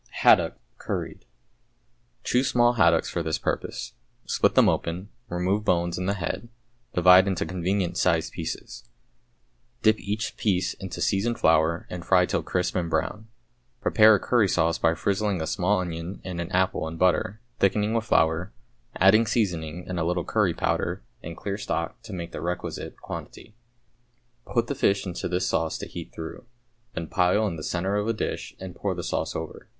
=Haddock, Curried.= Choose small haddocks for this purpose. Split them open, remove bones and the head, divide into convenient sized pieces. Dip each piece into seasoned flour and fry till crisp and brown. Prepare a curry sauce by frizzling a small onion and an apple in butter, thickening with flour, adding seasoning and a little curry powder and clear stock to make the requisite quantity. Put the fish into this sauce to heat through, then pile in the centre of a dish and pour the sauce over.